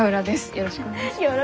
よろしくお願いします。